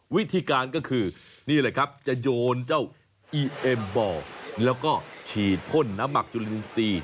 วิธีการก็คือนี่แหละครับจะโยนเจ้าอีเอ็มบอลแล้วก็ฉีดพ่นน้ำหมักจุลินทรีย์